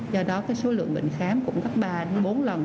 do đó số lượng bệnh khám cũng gấp ba đến bốn lần